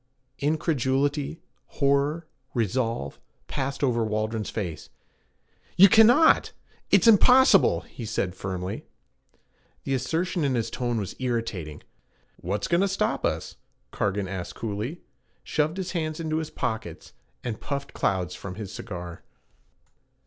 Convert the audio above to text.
Incredulity, horror, resolve, passed over Waldron's face. 'You cannot! It's impossible!' he said firmly. The assertion in his tone was irritating. 'What's goin' to stop us?' Cargan asked coolly; shoved his hands into his pockets, and puffed clouds from his cigar.